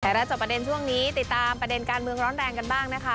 แล้วจบประเด็นช่วงนี้ติดตามประเด็นการเมืองร้อนแรงกันบ้างนะคะ